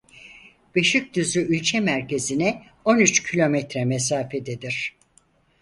Beşikdüzü İlçe merkezine on üç kilometre mesafededir.